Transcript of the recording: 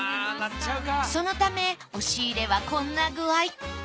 そのため押し入れはこんな具合。